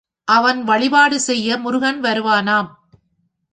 அவன் வழிபாடு செய்ய முருகன் வரு வானாம்.